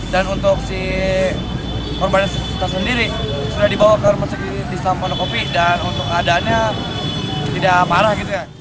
dan untuk si orang orang yang sedang menjual sendiri sudah dibawa ke rumah sakit islam pondokopi dan untuk keadaannya tidak parah